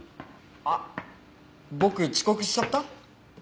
あっ僕遅刻しちゃった？